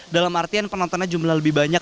dalam artian penontonnya jumlah lebih banyak